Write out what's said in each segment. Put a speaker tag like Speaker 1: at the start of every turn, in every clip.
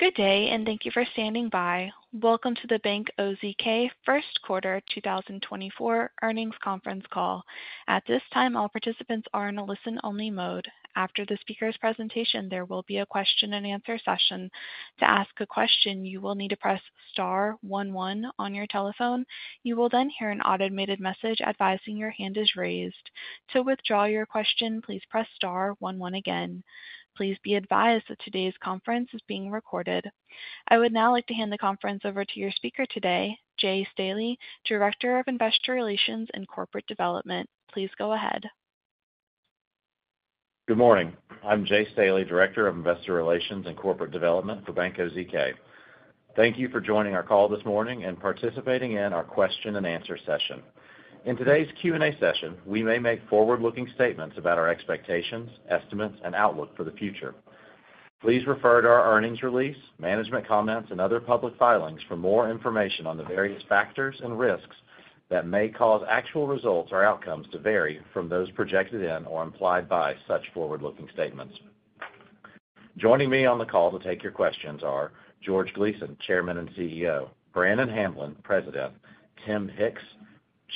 Speaker 1: Good day, and thank you for standing by. Welcome to the Bank OZK First Quarter 2024 Earnings Conference Call. At this time, all participants are in a listen-only mode. After the speaker's presentation, there will be a question-and-answer session. To ask a question, you will need to press star one one on your telephone. You will then hear an automated message advising your hand is raised. To withdraw your question, please press star one one again. Please be advised that today's conference is being recorded. I would now like to hand the conference over to your speaker today, Jay Staley, Director of Investor Relations and Corporate Development. Please go ahead.
Speaker 2: Good morning. I'm Jay Staley, Director of Investor Relations and Corporate Development for Bank OZK. Thank you for joining our call this morning and participating in our question-and-answer session. In today's Q&A session, we may make forward-looking statements about our expectations, estimates, and outlook for the future. Please refer to our earnings release, management comments, and other public filings for more information on the various factors and risks that may cause actual results or outcomes to vary from those projected in or implied by such forward-looking statements. Joining me on the call to take your questions are George Gleason, Chairman and CEO, Brannon Hamblen, President, Tim Hicks,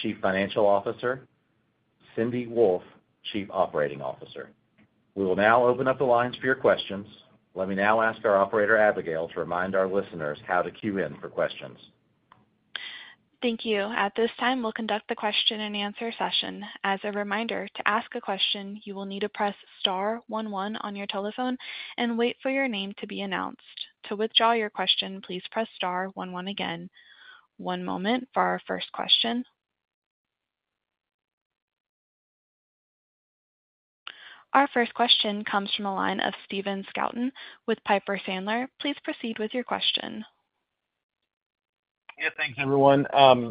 Speaker 2: Chief Financial Officer, Cindy Wolfe, Chief Operating Officer. We will now open up the lines for your questions. Let me now ask our Operator, Abigail, to remind our listeners how to cue in for questions.
Speaker 1: Thank you. At this time, we'll conduct the question-and-answer session. As a reminder, to ask a question, you will need to press star one one on your telephone and wait for your name to be announced. To withdraw your question, please press star one one again. One moment for our first question. Our first question comes from a line of Stephen Scouten with Piper Sandler. Please proceed with your question.
Speaker 3: Yeah, thanks, everyone.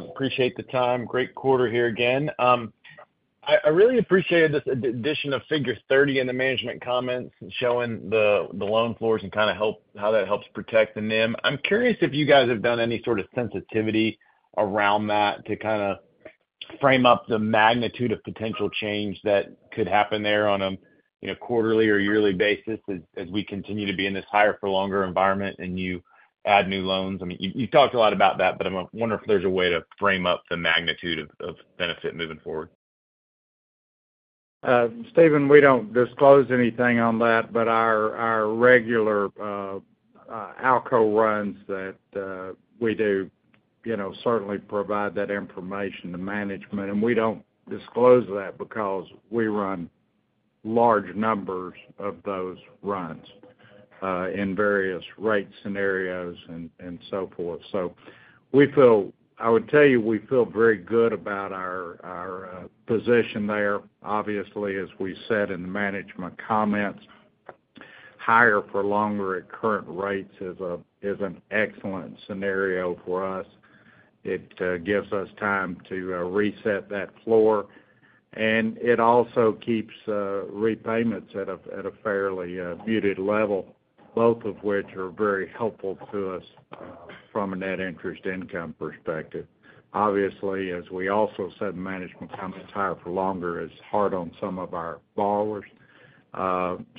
Speaker 3: Appreciate the time. Great quarter here again. I really appreciated this addition of Figure 30 in the management comments showing the loan floors and kind of how that helps protect the NIM. I'm curious if you guys have done any sort of sensitivity around that to kind of frame up the magnitude of potential change that could happen there on a quarterly or yearly basis as we continue to be in this higher-for-longer environment and you add new loans. I mean, you've talked a lot about that, but I wonder if there's a way to frame up the magnitude of benefit moving forward.
Speaker 4: Stephen, we don't disclose anything on that, but our regular ALCO runs that we do certainly provide that information to management, and we don't disclose that because we run large numbers of those runs in various rate scenarios and so forth. So I would tell you we feel very good about our position there. Obviously, as we said in the management comments, higher-for-longer at current rates is an excellent scenario for us. It gives us time to reset that floor, and it also keeps repayments at a fairly muted level, both of which are very helpful to us from a net interest income perspective. Obviously, as we also said, management comments higher-for-longer is hard on some of our borrowers.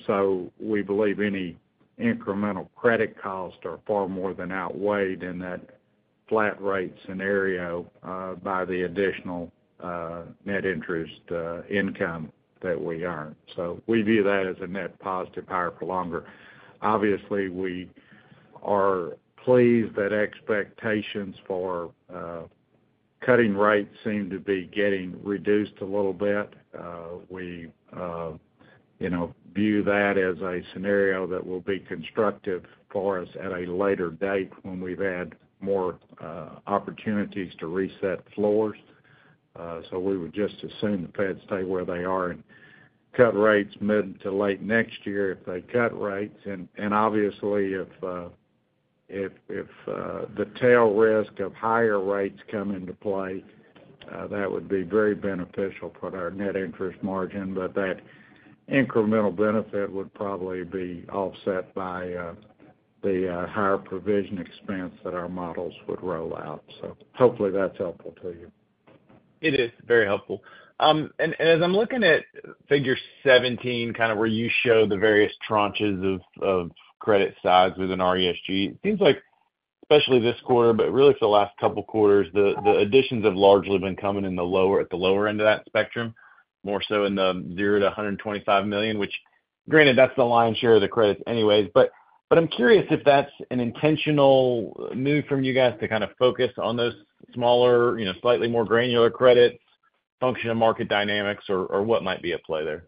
Speaker 4: So we believe any incremental credit costs are far more than outweighed in that flat-rate scenario by the additional net interest income that we earn. So we view that as a net positive, higher-for-longer. Obviously, we are pleased that expectations for cutting rates seem to be getting reduced a little bit. We view that as a scenario that will be constructive for us at a later date when we've had more opportunities to reset floors. So we would just assume the Fed stay where they are and cut rates mid to late next year if they cut rates. And obviously, if the tail risk of higher rates come into play, that would be very beneficial for our net interest margin, but that incremental benefit would probably be offset by the higher provision expense that our models would roll out. So hopefully, that's helpful to you.
Speaker 3: It is very helpful. And as I'm looking at Figure 17, kind of where you show the various tranches of credit size within RESG, it seems like, especially this quarter, but really for the last couple of quarters, the additions have largely been coming at the lower end of that spectrum, more so in the $0-$125 million, which, granted, that's the lion's share of the credits anyways. But I'm curious if that's an intentional move from you guys to kind of focus on those smaller, slightly more granular credits, function of market dynamics, or what might be at play there.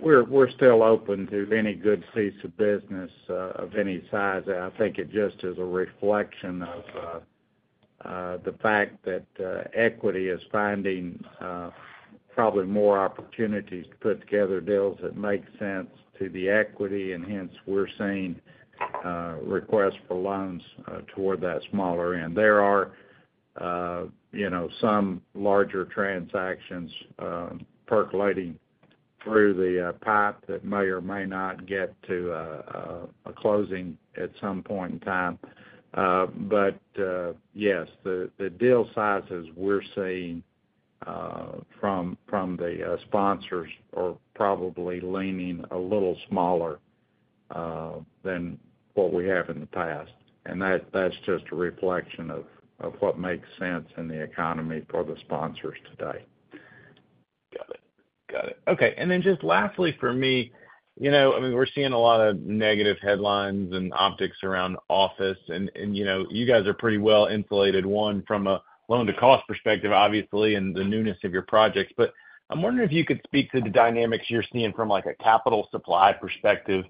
Speaker 4: We're still open to any good piece of business of any size. I think it just is a reflection of the fact that equity is finding probably more opportunities to put together deals that make sense to the equity, and hence, we're seeing requests for loans toward that smaller end. There are some larger transactions percolating through the pipe that may or may not get to a closing at some point in time. But yes, the deal sizes we're seeing from the sponsors are probably leaning a little smaller than what we have in the past, and that's just a reflection of what makes sense in the economy for the sponsors today.
Speaker 3: Got it. Got it. Okay. And then just lastly for me, I mean, we're seeing a lot of negative headlines and optics around office, and you guys are pretty well insulated, one, from a loan-to-cost perspective, obviously, and the newness of your projects. But I'm wondering if you could speak to the dynamics you're seeing from a capital supply perspective,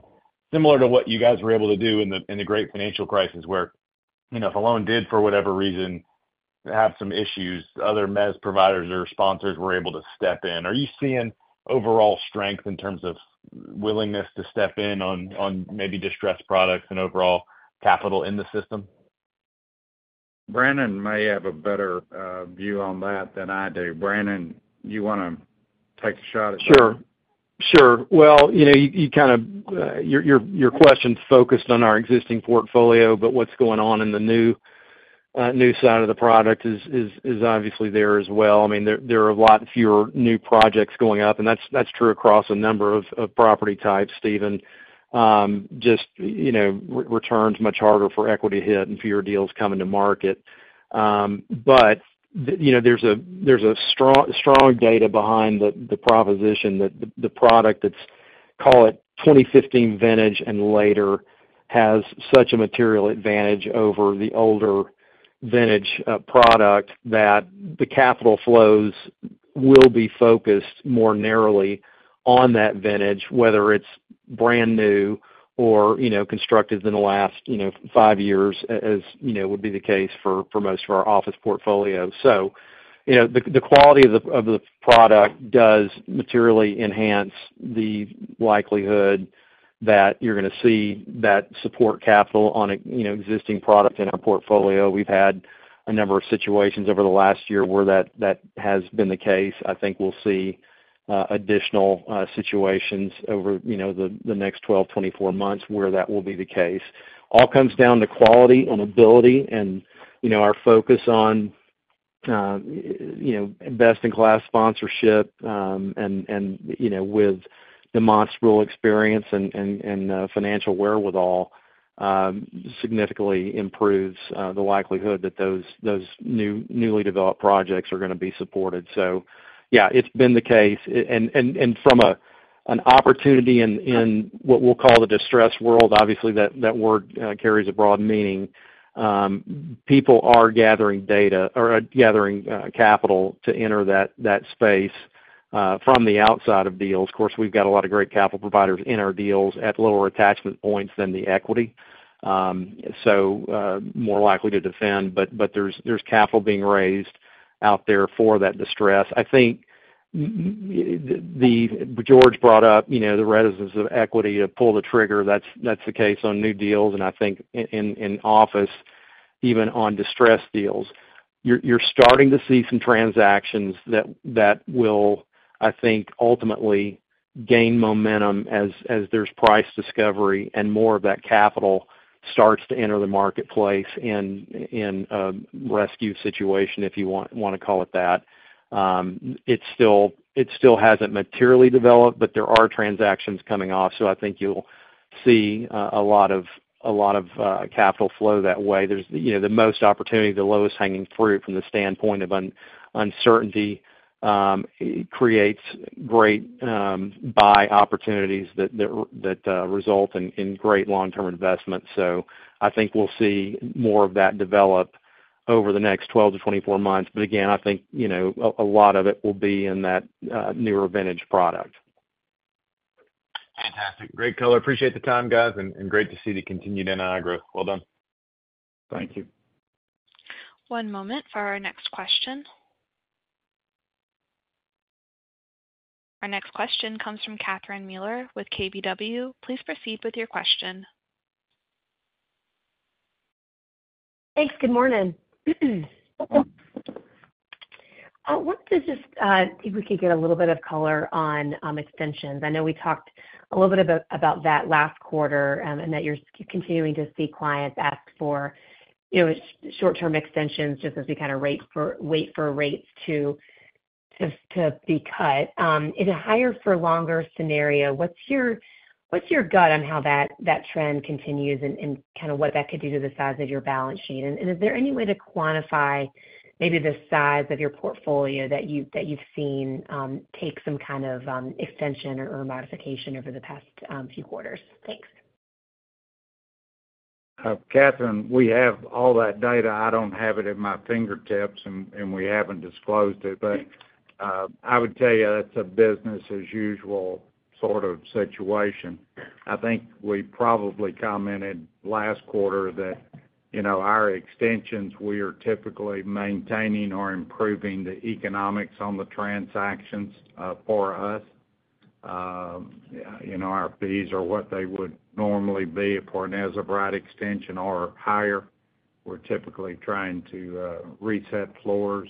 Speaker 3: similar to what you guys were able to do in the Great Financial Crisis, where if a loan did, for whatever reason, have some issues, other Mezz providers or sponsors were able to step in. Are you seeing overall strength in terms of willingness to step in on maybe distressed products and overall capital in the system?
Speaker 4: Brannon may have a better view on that than I do. Brannon, you want to take a shot at that?
Speaker 5: Sure. Sure. Well, you know, your question's focused on our existing portfolio, but what's going on in the new side of the product is obviously there as well. I mean, there are a lot fewer new projects going up, and that's true across a number of property types, Stephen. Just returns much harder for equity hit and fewer deals coming to market. But there's a strong data behind the proposition that the product that's, call it, 2015 vintage and later has such a material advantage over the older vintage product that the capital flows will be focused more narrowly on that vintage, whether it's brand new or constructed in the last five years, as would be the case for most of our office portfolio. So the quality of the product does materially enhance the likelihood that you're going to see that support capital on an existing product in our portfolio. We've had a number of situations over the last year where that has been the case. I think we'll see additional situations over the next 12, 24 months where that will be the case. All comes down to quality and ability and our focus on best-in-class sponsorship and with demonstrated experience and financial wherewithal significantly improves the likelihood that those newly developed projects are going to be supported. So yeah, it's been the case. And from an opportunity in what we'll call the distressed world, obviously, that word carries a broad meaning. People are gathering data or gathering capital to enter that space from the outside of deals. Of course, we've got a lot of great capital providers in our deals at lower attachment points than the equity, so more likely to defend. But there's capital being raised out there for that distress. I think George brought up the reticence of equity to pull the trigger. That's the case on new deals, and I think in office, even on distressed deals. You're starting to see some transactions that will, I think, ultimately gain momentum as there's price discovery and more of that capital starts to enter the marketplace in a rescue situation, if you want to call it that. It still hasn't materially developed, but there are transactions coming off, so I think you'll see a lot of capital flow that way. The most opportunity, the lowest-hanging fruit from the standpoint of uncertainty, creates great buy opportunities that result in great long-term investments. I think we'll see more of that develop over the next 12-24 months. But again, I think a lot of it will be in that newer vintage product.
Speaker 3: Fantastic. Great color. Appreciate the time, guys, and great to see the continued NII growth. Well done.
Speaker 4: Thank you.
Speaker 1: One moment for our next question. Our next question comes from Catherine Mealor with KBW. Please proceed with your question.
Speaker 6: Thanks. Good morning. I wanted to just see if we could get a little bit of color on extensions. I know we talked a little bit about that last quarter and that you're continuing to see clients ask for short-term extensions just as we kind of wait for rates to be cut. In a higher-for-longer scenario, what's your gut on how that trend continues and kind of what that could do to the size of your balance sheet? And is there any way to quantify maybe the size of your portfolio that you've seen take some kind of extension or modification over the past few quarters? Thanks.
Speaker 4: Catherine, we have all that data. I don't have it at my fingertips, and we haven't disclosed it. But I would tell you that's a business-as-usual sort of situation. I think we probably commented last quarter that our extensions, we are typically maintaining or improving the economics on the transactions for us. Our fees are what they would normally be for an as-of-right extension or higher. We're typically trying to reset floors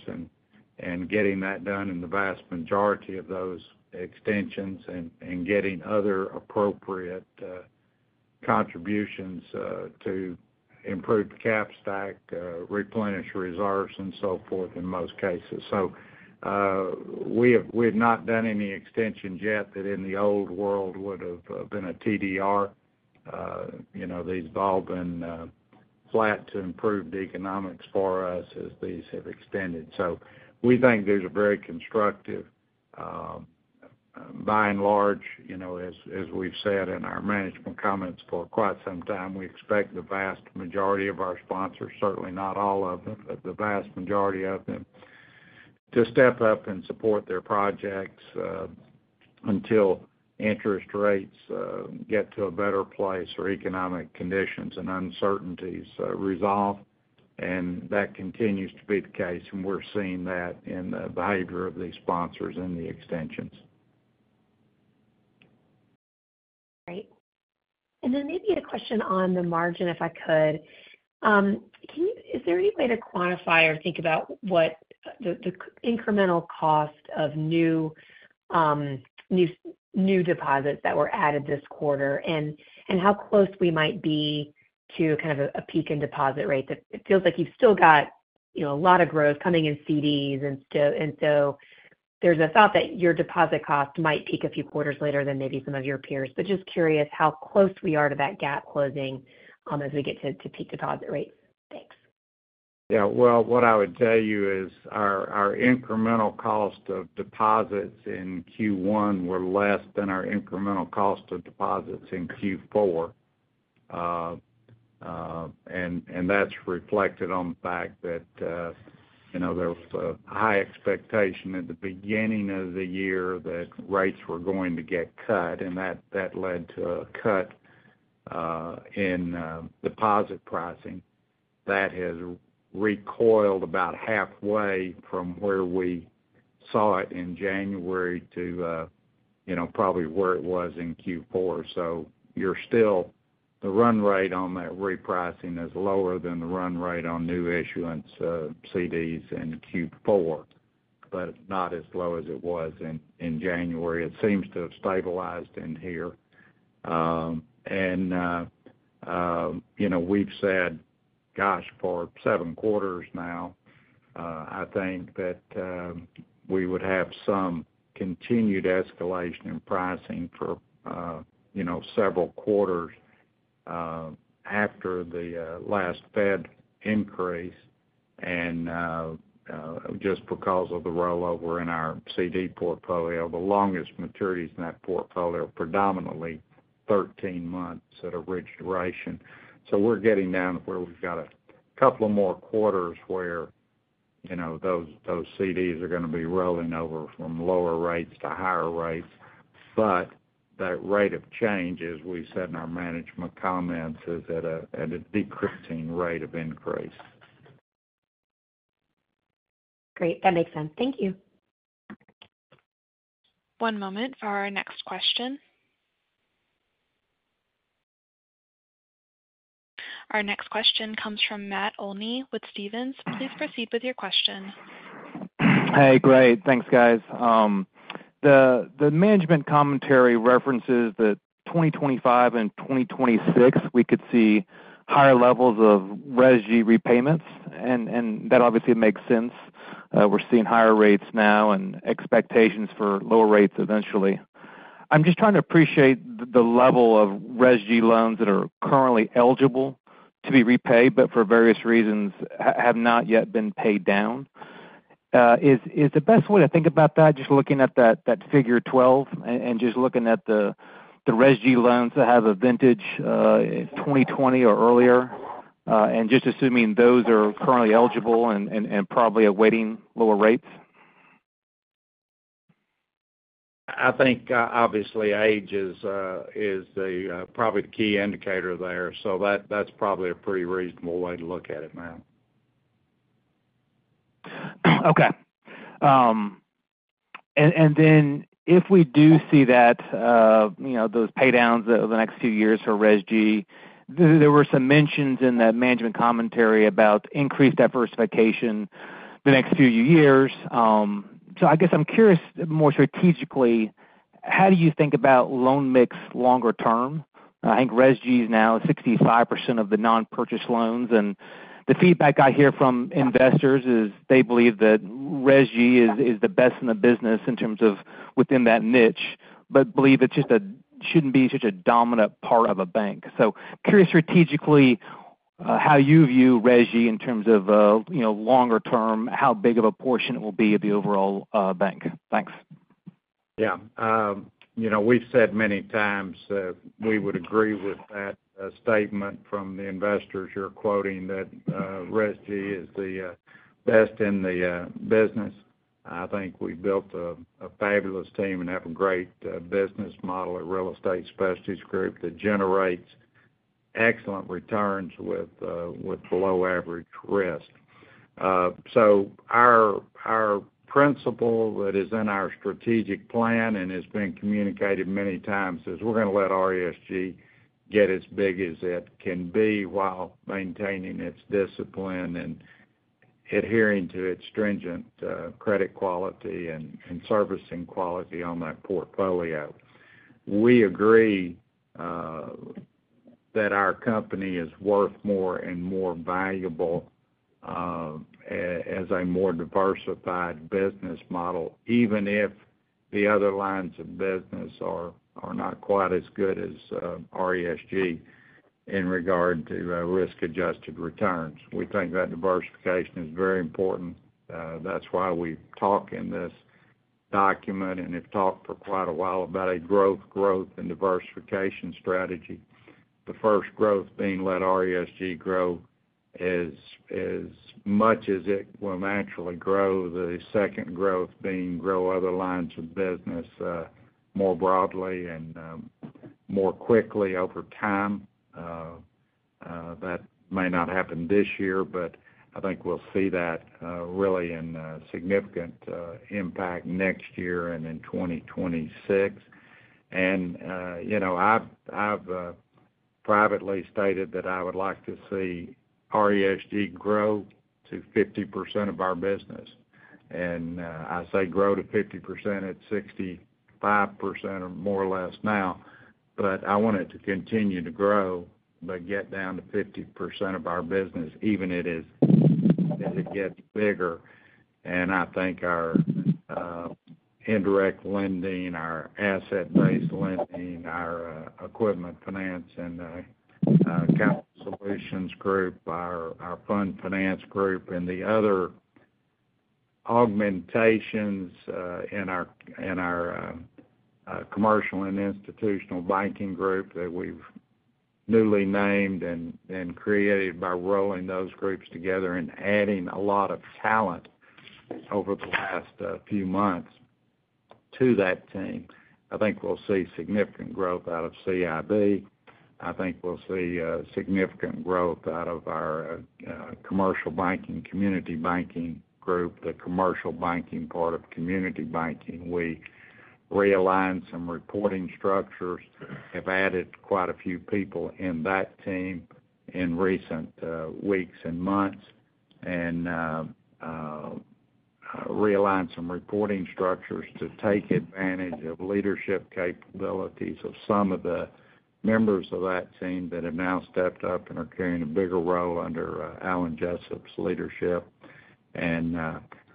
Speaker 4: and getting that done in the vast majority of those extensions and getting other appropriate contributions to improve the cap stack, replenish reserves, and so forth in most cases. So we have not done any extensions yet that in the old world would have been a TDR. These have all been flat to improve the economics for us as these have extended. So we think there's a very constructive, by and large, as we've said in our management comments for quite some time, we expect the vast majority of our sponsors, certainly not all of them, but the vast majority of them, to step up and support their projects until interest rates get to a better place or economic conditions and uncertainties resolve. That continues to be the case, and we're seeing that in the behavior of these sponsors and the extensions.
Speaker 6: Great. Then maybe a question on the margin, if I could. Is there any way to quantify or think about the incremental cost of new deposits that were added this quarter and how close we might be to kind of a peak in deposit rate? It feels like you've still got a lot of growth coming in CDs, and so there's a thought that your deposit cost might peak a few quarters later than maybe some of your peers. But just curious how close we are to that gap closing as we get to peak deposit rates. Thanks.
Speaker 4: Yeah. Well, what I would tell you is our incremental cost of deposits in Q1 were less than our incremental cost of deposits in Q4. And that's reflected on the fact that there was a high expectation at the beginning of the year that rates were going to get cut, and that led to a cut in deposit pricing that has recoiled about halfway from where we saw it in January to probably where it was in Q4. So the run rate on that repricing is lower than the run rate on new issuance CDs in Q4, but not as low as it was in January. It seems to have stabilized in here. We've said, "Gosh, for seven quarters now, I think that we would have some continued escalation in pricing for several quarters after the last Fed increase." Just because of the rollover in our CD portfolio, the longest maturities in that portfolio are predominantly 13 months at a rich duration. We're getting down to where we've got a couple of more quarters where those CDs are going to be rolling over from lower rates to higher rates. That rate of change, as we said in our management comments, is at a decelerating rate of increase.
Speaker 6: Great. That makes sense. Thank you.
Speaker 1: One moment for our next question. Our next question comes from Matt Olney with Stephens. Please proceed with your question.
Speaker 7: Hey, great. Thanks, guys. The management commentary references that 2025 and 2026, we could see higher levels of RESG repayments, and that obviously makes sense. We're seeing higher rates now and expectations for lower rates eventually. I'm just trying to appreciate the level of RESG loans that are currently eligible to be repaid but for various reasons have not yet been paid down. Is the best way to think about that, just looking at that Figure 12 and just looking at the RESG loans that have a vintage 2020 or earlier, and just assuming those are currently eligible and probably awaiting lower rates?
Speaker 4: I think, obviously, age is probably the key indicator there, so that's probably a pretty reasonable way to look at it now.
Speaker 7: Okay. And then if we do see those paydowns over the next few years for RESG, there were some mentions in that management commentary about increased diversification the next few years. So I guess I'm curious, more strategically, how do you think about loan mix longer term? I think RESG is now 65% of the non-purchase loans. And the feedback I hear from investors is they believe that RESG is the best in the business in terms of within that niche, but believe it shouldn't be such a dominant part of a bank. So curious, strategically, how you view RESG in terms of longer term, how big of a portion it will be of the overall bank. Thanks.
Speaker 4: Yeah. We've said many times we would agree with that statement from the investors you're quoting, that RESG is the best in the business. I think we've built a fabulous team and have a great business model at Real Estate Specialties Group that generates excellent returns with below-average risk. So our principle that is in our strategic plan and has been communicated many times is we're going to let RESG get as big as it can be while maintaining its discipline and adhering to its stringent credit quality and servicing quality on that portfolio. We agree that our company is worth more and more valuable as a more diversified business model, even if the other lines of business are not quite as good as RESG in regard to risk-adjusted returns. We think that diversification is very important. That's why we talk in this document and have talked for quite a while about a growth, growth, and diversification strategy. The first growth being let RESG grow as much as it will naturally grow, the second growth being grow other lines of business more broadly and more quickly over time. That may not happen this year, but I think we'll see that really in significant impact next year and in 2026. I've privately stated that I would like to see RESG grow to 50% of our business. I say grow to 50%. It's 65% or more or less now, but I want it to continue to grow but get down to 50% of our business, even as it gets bigger. And I think our indirect lending, our asset-based lending, our Equipment Finance and Capital Solutions Group, our Fund Finance Group, and the other augmentations in our Commercial and Institutional Banking Group that we've newly named and created by rolling those groups together and adding a lot of talent over the last few months to that team, I think we'll see significant growth out of CIB. I think we'll see significant growth out of our commercial banking, Community Banking Group, the commercial banking part of community banking. We realigned some reporting structures, have added quite a few people in that team in recent weeks and months, and realigned some reporting structures to take advantage of leadership capabilities of some of the members of that team that have now stepped up and are carrying a bigger role under Alan Joseph's leadership. And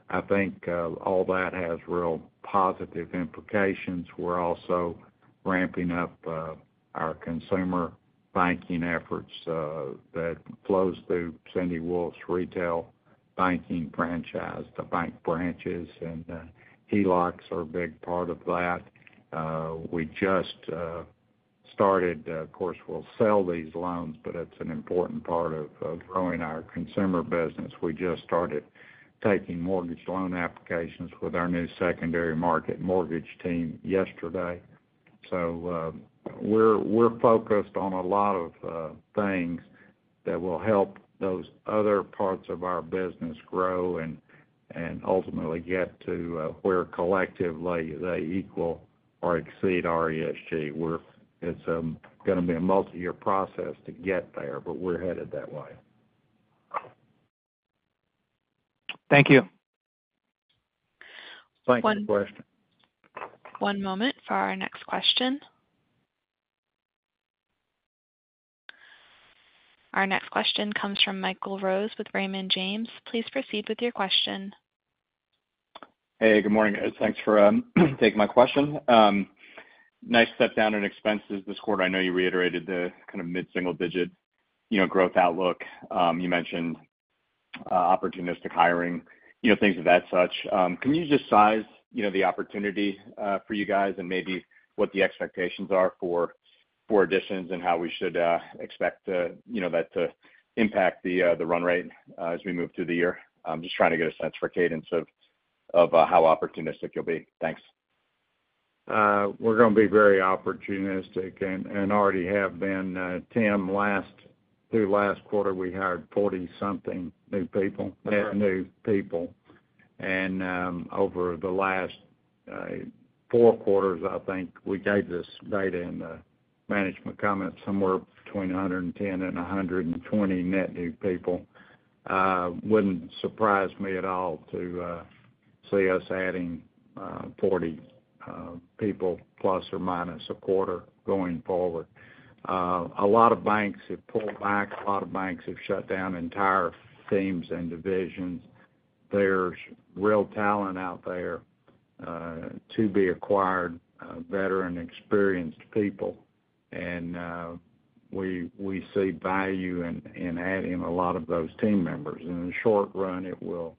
Speaker 4: I think all that has real positive implications. We're also ramping up our consumer banking efforts that flows through Cindy Wolfe's retail banking franchise. The bank branches and HELOCs are a big part of that. We just started of course, we'll sell these loans, but it's an important part of growing our consumer business. We just started taking mortgage loan applications with our new secondary market mortgage team yesterday. So we're focused on a lot of things that will help those other parts of our business grow and ultimately get to where collectively they equal or exceed RESG. It's going to be a multi-year process to get there, but we're headed that way.
Speaker 7: Thank you. Thanks for the question.
Speaker 1: One moment for our next question. Our next question comes from Michael Rose with Raymond James. Please proceed with your question.
Speaker 8: Hey, good morning. Thanks for taking my question. Nice stepdown in expenses this quarter. I know you reiterated the kind of mid-single-digit growth outlook. You mentioned opportunistic hiring, things of that such. Can you just size the opportunity for you guys and maybe what the expectations are for additions and how we should expect that to impact the run rate as we move through the year? I'm just trying to get a sense for cadence of how opportunistic you'll be. Thanks.
Speaker 4: We're going to be very opportunistic and already have been. Tim, through last quarter, we hired 40-something new people. Net new people. And over the last four quarters, I think we gave this data in the management comments somewhere between 110 and 120 net new people. Wouldn't surprise me at all to see us adding 40 people plus or minus a quarter going forward. A lot of banks have pulled back. A lot of banks have shut down entire teams and divisions. There's real talent out there to be acquired, veteran, experienced people. And we see value in adding a lot of those team members. In the short run, it will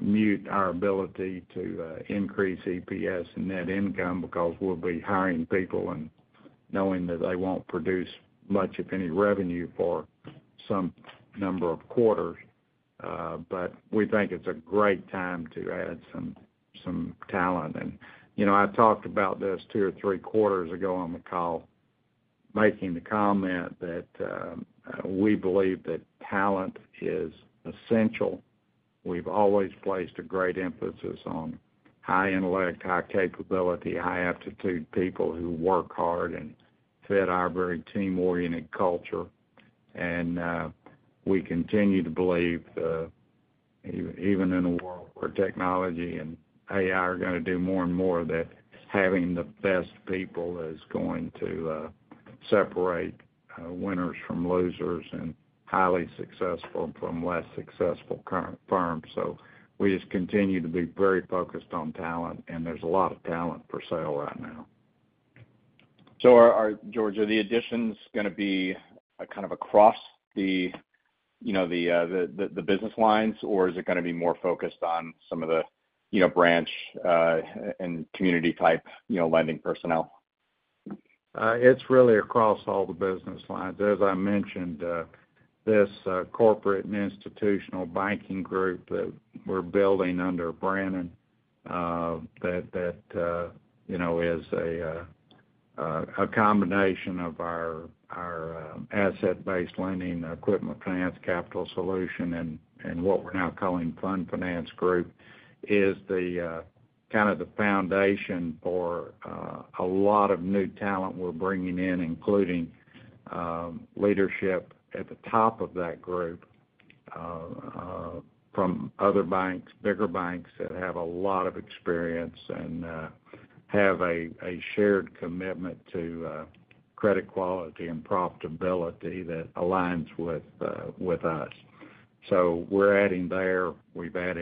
Speaker 4: mute our ability to increase EPS and net income because we'll be hiring people and knowing that they won't produce much, if any, revenue for some number of quarters. We think it's a great time to add some talent. I talked about this two or three quarters ago on the call, making the comment that we believe that talent is essential. We've always placed a great emphasis on high intellect, high capability, high aptitude people who work hard and fit our very team-oriented culture. We continue to believe, even in a world where technology and AI are going to do more and more, that having the best people is going to separate winners from losers and highly successful from less successful firms. We just continue to be very focused on talent, and there's a lot of talent for sale right now.
Speaker 8: George, are the additions going to be kind of across the business lines, or is it going to be more focused on some of the branch and community-type lending personnel?
Speaker 4: It's really across all the business lines. As I mentioned, this corporate and institutional banking group that we're building under Brannon that is a combination of our asset-based lending, equipment finance, capital solution, and what we're now calling Fund Finance Group is kind of the foundation for a lot of new talent we're bringing in, including leadership at the top of that group from other banks, bigger banks that have a lot of experience and have a shared commitment to credit quality and profitability that aligns with us. So we're adding there. We've begun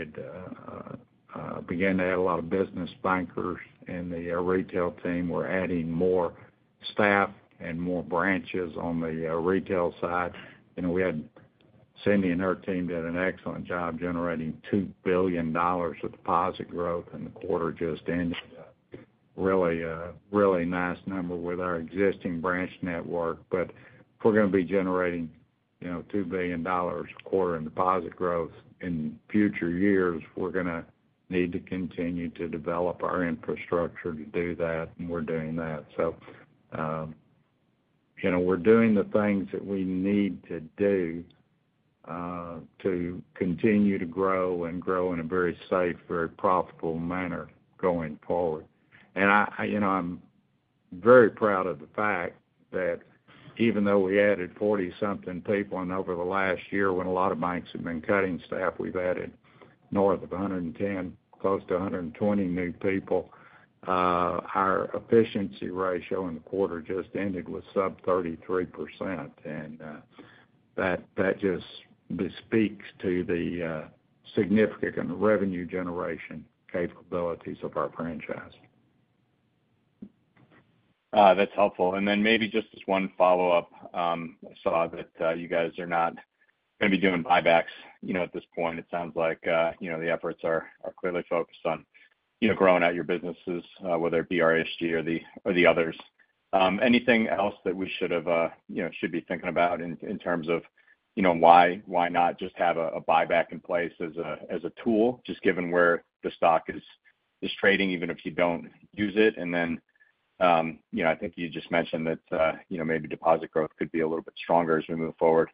Speaker 4: to add a lot of business bankers in the retail team. We're adding more staff and more branches on the retail side. We had Cindy and her team did an excellent job generating $2 billion of deposit growth in the quarter just ending. Really, really nice number with our existing branch network. But if we're going to be generating $2 billion a quarter in deposit growth in future years, we're going to need to continue to develop our infrastructure to do that, and we're doing that. So we're doing the things that we need to do to continue to grow and grow in a very safe, very profitable manner going forward. And I'm very proud of the fact that even though we added 40-something people, and over the last year, when a lot of banks have been cutting staff, we've added north of 110, close to 120 new people. Our efficiency ratio in the quarter just ended with sub-33%. And that just bespeaks to the significant revenue generation capabilities of our franchise.
Speaker 8: That's helpful. And then maybe just as one follow-up, I saw that you guys are not going to be doing buybacks at this point. It sounds like the efforts are clearly focused on growing out your businesses, whether it be RESG or the others. Anything else that we should be thinking about in terms of why not just have a buyback in place as a tool, just given where the stock is trading, even if you don't use it? And then I think you just mentioned that maybe deposit growth could be a little bit stronger as we move forward.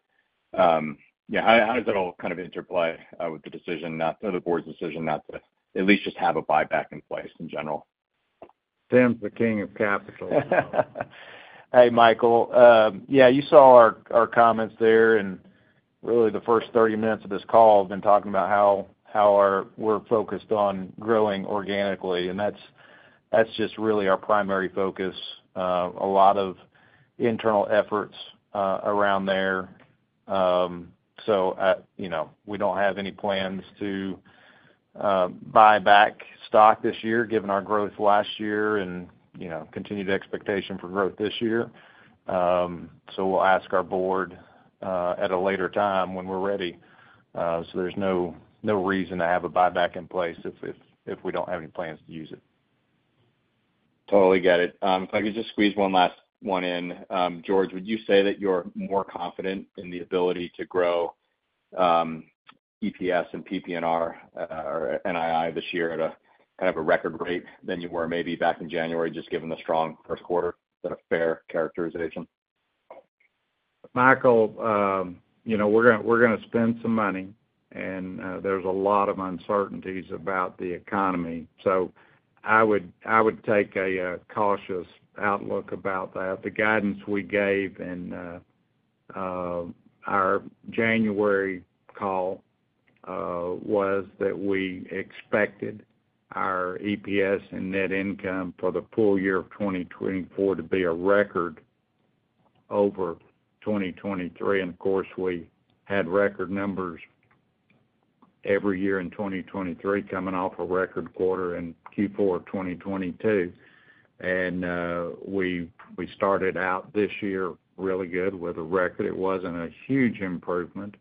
Speaker 8: How does that all kind of interplay with the decision, the board's decision, not to at least just have a buyback in place in general?
Speaker 4: Tim's the king of capital.
Speaker 9: Hey, Michael. Yeah, you saw our comments there. And really, the first 30 minutes of this call, I've been talking about how we're focused on growing organically. And that's just really our primary focus. A lot of internal efforts around there. So we don't have any plans to buy back stock this year, given our growth last year and continued expectation for growth this year. So we'll ask our board at a later time when we're ready. So there's no reason to have a buyback in place if we don't have any plans to use it.
Speaker 8: Totally get it. If I could just squeeze one last one in, George, would you say that you're more confident in the ability to grow EPS and PPNR or NII this year at kind of a record rate than you were maybe back in January, just given the strong first quarter? Is that a fair characterization?
Speaker 4: Michael, we're going to spend some money, and there's a lot of uncertainties about the economy. So I would take a cautious outlook about that. The guidance we gave in our January call was that we expected our EPS and net income for the full year of 2024 to be a record over 2023. And of course, we had record numbers every year in 2023 coming off a record quarter in Q4 of 2022. And we started out this year really good with a record. It wasn't a huge improvement,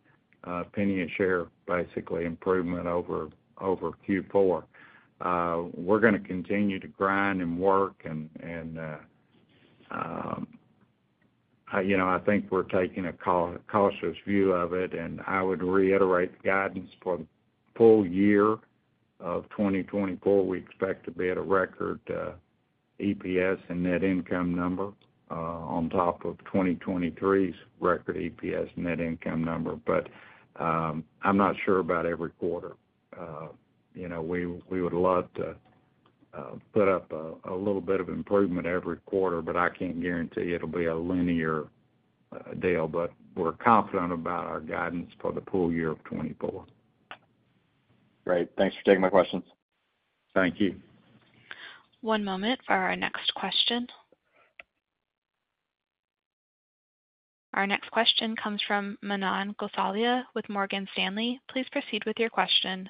Speaker 4: a $0.01 per share, basically, improvement over Q4. We're going to continue to grind and work. And I think we're taking a cautious view of it. And I would reiterate the guidance. For the full year of 2024, we expect to be at a record EPS and net income number on top of 2023's record EPS and net income number. But I'm not sure about every quarter. We would love to put up a little bit of improvement every quarter, but I can't guarantee it'll be a linear deal. But we're confident about our guidance for the full year of 2024.
Speaker 8: Great. Thanks for taking my questions.
Speaker 4: Thank you.
Speaker 1: One moment for our next question. Our next question comes from Manan Gosalia with Morgan Stanley. Please proceed with your question.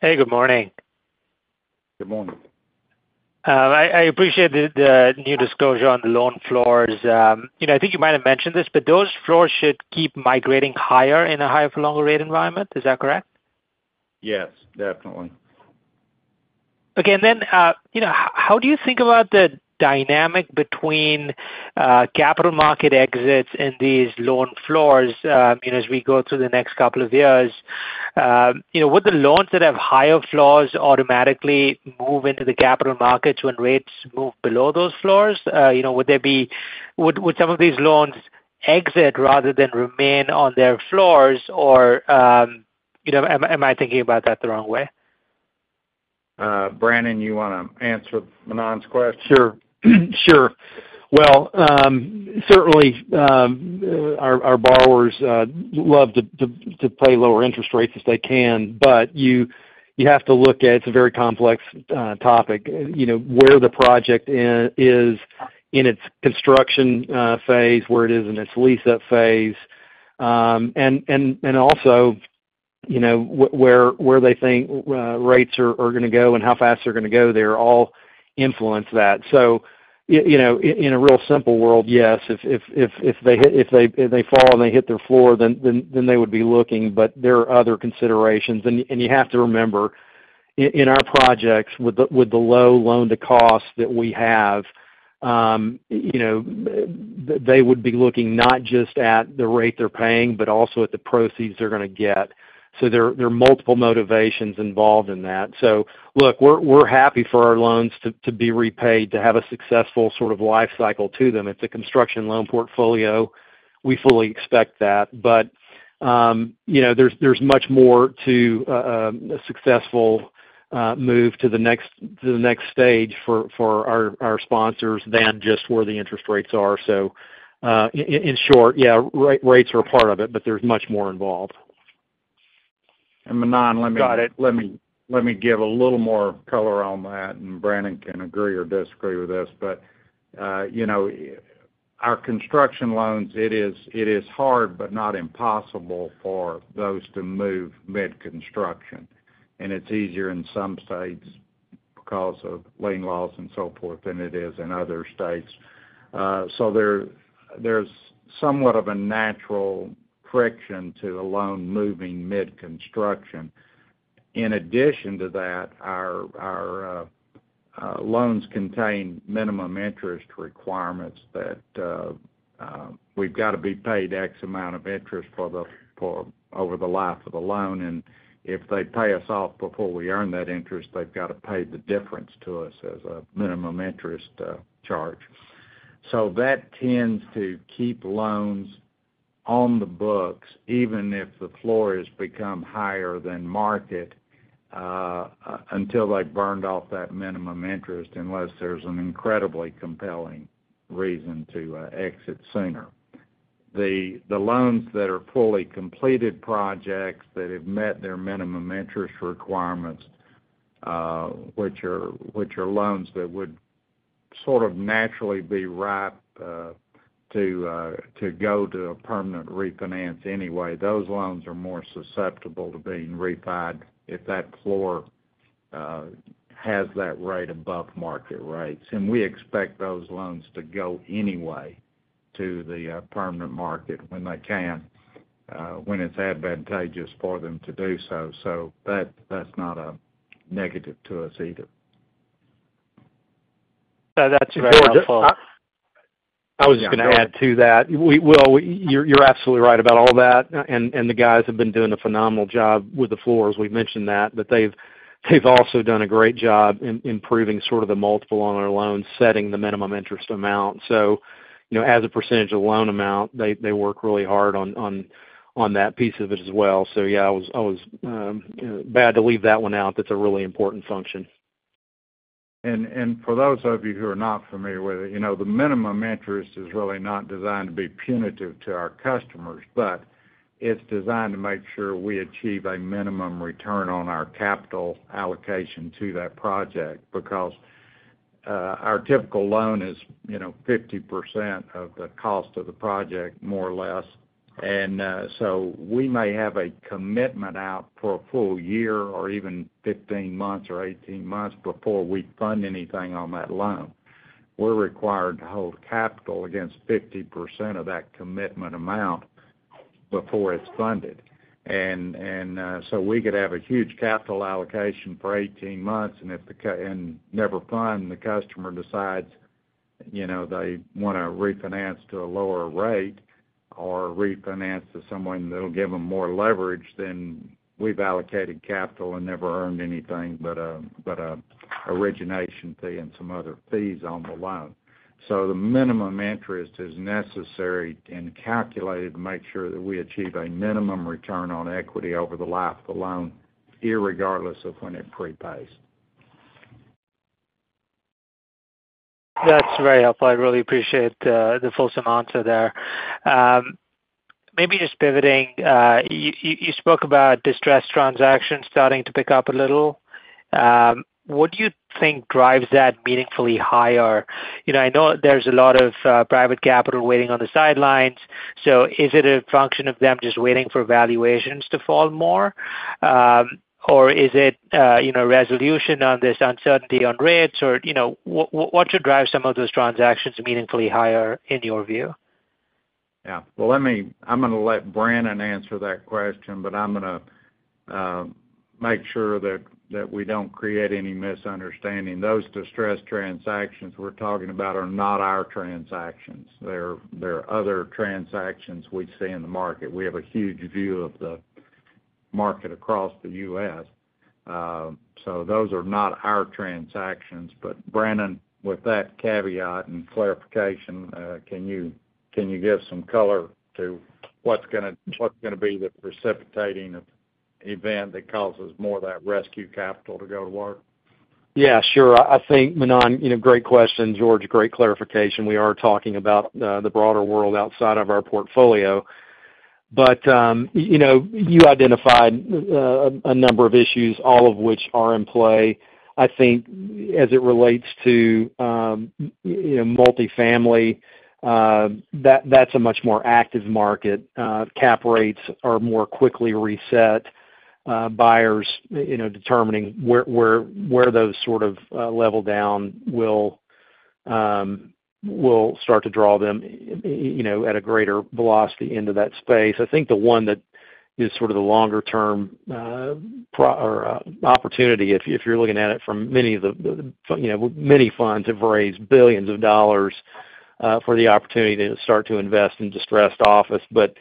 Speaker 10: Hey, good morning.
Speaker 4: Good morning.
Speaker 10: I appreciate the new disclosure on the loan floors. I think you might have mentioned this, but those floors should keep migrating higher in a higher-for-longer-rate environment. Is that correct?
Speaker 4: Yes, definitely.
Speaker 10: Okay. And then how do you think about the dynamic between capital market exits and these loan floors as we go through the next couple of years? Would the loans that have higher floors automatically move into the capital markets when rates move below those floors? Would some of these loans exit rather than remain on their floors, or am I thinking about that the wrong way?
Speaker 4: Brannon, you want to answer Manan's question?
Speaker 5: Sure. Sure. Well, certainly, our borrowers love to pay lower interest rates if they can. But you have to look at. It's a very complex topic, where the project is in its construction phase, where it is in its lease-up phase, and also where they think rates are going to go and how fast they're going to go. They all influence that. So in a real simple world, yes. If they fall and they hit their floor, then they would be looking. But there are other considerations. And you have to remember, in our projects, with the low loan-to-cost that we have, they would be looking not just at the rate they're paying, but also at the proceeds they're going to get. So there are multiple motivations involved in that. So look, we're happy for our loans to be repaid, to have a successful sort of lifecycle to them. It's a construction loan portfolio. We fully expect that. But there's much more to a successful move to the next stage for our sponsors than just where the interest rates are. So in short, yeah, rates are a part of it, but there's much more involved.
Speaker 4: Manan, let me.
Speaker 10: Got it.
Speaker 4: Let me give a little more color on that, and Brannon can agree or disagree with this. But our construction loans, it is hard, but not impossible, for those to move mid-construction. And it's easier in some states because of lien laws and so forth than it is in other states. So there's somewhat of a natural friction to a loan moving mid-construction. In addition to that, our loans contain minimum interest requirements that we've got to be paid X amount of interest over the life of the loan. And if they pay us off before we earn that interest, they've got to pay the difference to us as a minimum interest charge. So that tends to keep loans on the books, even if the floor has become higher than market, until they've burned off that minimum interest, unless there's an incredibly compelling reason to exit sooner. The loans that are fully completed projects that have met their minimum interest requirements, which are loans that would sort of naturally be ripe to go to a permanent refinance anyway, those loans are more susceptible to being refined if that floor has that rate above market rates. And we expect those loans to go anyway to the permanent market when they can, when it's advantageous for them to do so. So that's not a negative to us either.
Speaker 10: That's wonderful.
Speaker 5: I was just going to add to that. Well, you're absolutely right about all that. And the guys have been doing a phenomenal job with the floors. We've mentioned that. But they've also done a great job improving sort of the multiple on their loans, setting the minimum interest amount. So as a percentage of loan amount, they work really hard on that piece of it as well. So yeah, I was bad to leave that one out. That's a really important function.
Speaker 4: For those of you who are not familiar with it, the minimum interest is really not designed to be punitive to our customers, but it's designed to make sure we achieve a minimum return on our capital allocation to that project because our typical loan is 50% of the cost of the project, more or less. And so we may have a commitment out for a full year or even 15 months or 18 months before we fund anything on that loan. We're required to hold capital against 50% of that commitment amount before it's funded. And so we could have a huge capital allocation for 18 months, and never fund. The customer decides they want to refinance to a lower rate or refinance to someone that'll give them more leverage than we've allocated capital and never earned anything but an origination fee and some other fees on the loan. So the minimum interest is necessary and calculated to make sure that we achieve a minimum return on equity over the life of the loan, regardless of when it prepays.
Speaker 10: That's very helpful. I really appreciate the fulsome answer there. Maybe just pivoting, you spoke about distressed transactions starting to pick up a little. What do you think drives that meaningfully higher? I know there's a lot of private capital waiting on the sidelines. So is it a function of them just waiting for valuations to fall more, or is it resolution on this uncertainty on rates? Or what should drive some of those transactions meaningfully higher, in your view?
Speaker 4: Yeah. Well, I'm going to let Brannon answer that question, but I'm going to make sure that we don't create any misunderstanding. Those distressed transactions we're talking about are not our transactions. They're other transactions we see in the market. We have a huge view of the market across the U.S. So those are not our transactions. But Brannon, with that caveat and clarification, can you give some color to what's going to be the precipitating event that causes more of that rescue capital to go to work?
Speaker 5: Yeah, sure. I think, Manan, great question. George, great clarification. We are talking about the broader world outside of our portfolio. But you identified a number of issues, all of which are in play. I think as it relates to multifamily, that's a much more active market. Cap rates are more quickly reset. Buyers determining where those sort of level down will start to draw them at a greater velocity into that space. I think the one that is sort of the longer-term opportunity, if you're looking at it from many of the funds have raised billions of dollars for the opportunity to start to invest in distressed office. But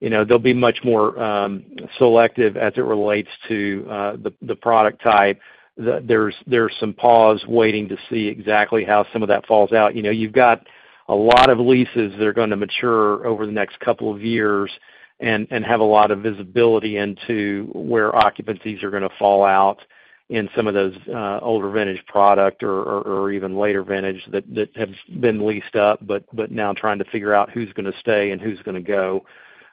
Speaker 5: they'll be much more selective as it relates to the product type. There's some pause waiting to see exactly how some of that falls out. You've got a lot of leases that are going to mature over the next couple of years and have a lot of visibility into where occupancies are going to fall out in some of those older vintage product or even later vintage that have been leased up, but now trying to figure out who's going to stay and who's going to go.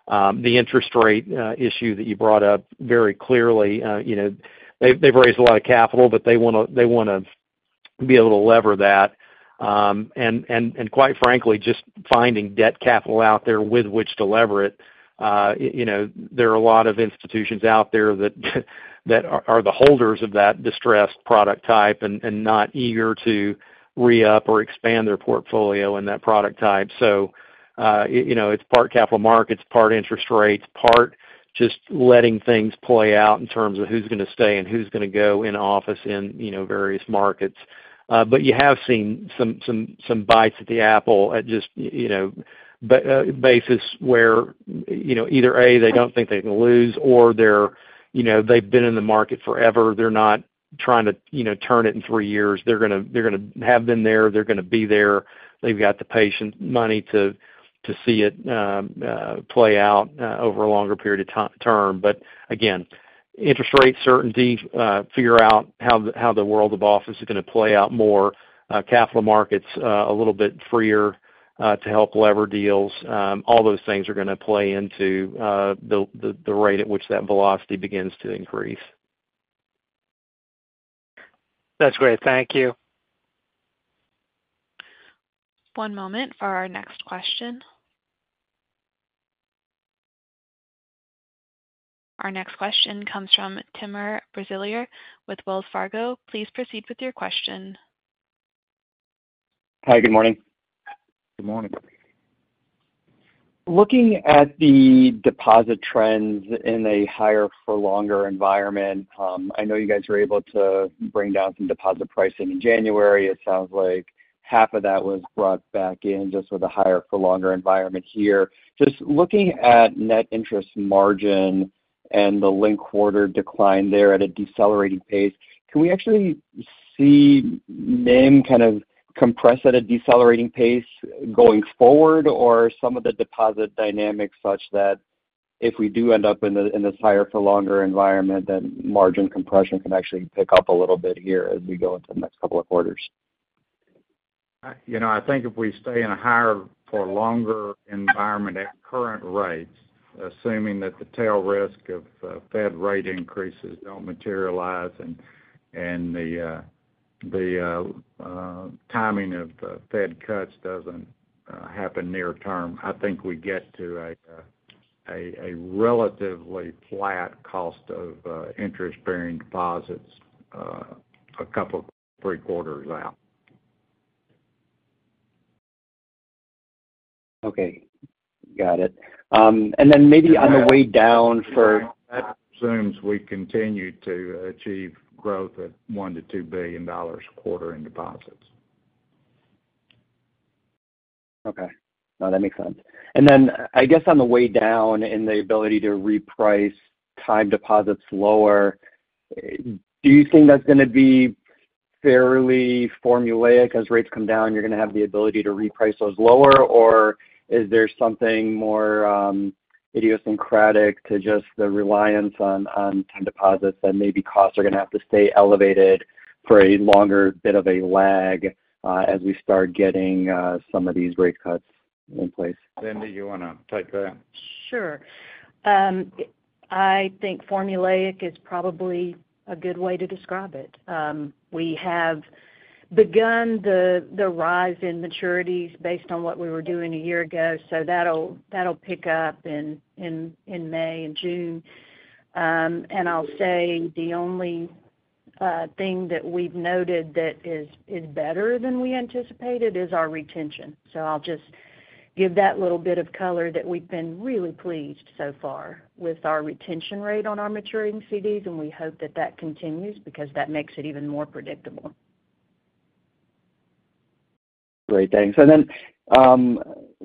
Speaker 5: The interest rate issue that you brought up very clearly, they've raised a lot of capital, but they want to be able to lever that. Quite frankly, just finding debt capital out there with which to lever it, there are a lot of institutions out there that are the holders of that distressed product type and not eager to re-up or expand their portfolio in that product type. So it's part capital markets, part interest rates, part just letting things play out in terms of who's going to stay and who's going to go in office in various markets. But you have seen some bites at the apple at just bases where either A, they don't think they can lose, or they've been in the market forever. They're not trying to turn it in three years. They're going to have been there. They're going to be there. They've got the patient money to see it play out over a longer period of term. But again, interest rate certainty, figure out how the world of office is going to play out more, capital markets a little bit freer to help lever deals, all those things are going to play into the rate at which that velocity begins to increase.
Speaker 10: That's great. Thank you.
Speaker 1: One moment for our next question. Our next question comes from Timur Braziler with Wells Fargo. Please proceed with your question.
Speaker 11: Hi. Good morning.
Speaker 4: Good morning.
Speaker 11: Looking at the deposit trends in a higher-for-longer environment, I know you guys were able to bring down some deposit pricing in January. It sounds like half of that was brought back in just with a higher-for-longer environment here. Just looking at Net Interest Margin and the linked quarter decline there at a decelerating pace, can we actually see NIM kind of compress at a decelerating pace going forward, or some of the deposit dynamics such that if we do end up in this higher-for-longer environment, then margin compression can actually pick up a little bit here as we go into the next couple of quarters?
Speaker 4: I think if we stay in a higher-for-longer environment at current rates, assuming that the tail risk of Fed rate increases don't materialize and the timing of Fed cuts doesn't happen near term, I think we get to a relatively flat cost of interest-bearing deposits a couple of three-quarters out.
Speaker 11: Okay. Got it. And then maybe on the way down for.
Speaker 4: That assumes we continue to achieve growth at $1 billion-$2 billion a quarter in deposits.
Speaker 11: Okay. No, that makes sense. And then I guess on the way down in the ability to reprice time deposits lower, do you think that's going to be fairly formulaic? As rates come down, you're going to have the ability to reprice those lower, or is there something more idiosyncratic to just the reliance on time deposits that maybe costs are going to have to stay elevated for a longer bit of a lag as we start getting some of these rate cuts in place?
Speaker 4: Cindy, you want to take that?
Speaker 12: Sure. I think formulaic is probably a good way to describe it. We have begun the rise in maturities based on what we were doing a year ago, so that'll pick up in May and June. And I'll say the only thing that we've noted that is better than we anticipated is our retention. So I'll just give that little bit of color that we've been really pleased so far with our retention rate on our maturing CDs, and we hope that that continues because that makes it even more predictable.
Speaker 11: Great. Thanks. And then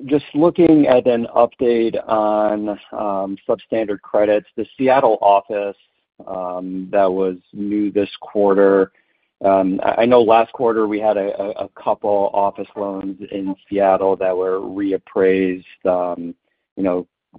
Speaker 11: just looking at an update on substandard credits, the Seattle office that was new this quarter, I know last quarter, we had a couple office loans in Seattle that were reappraised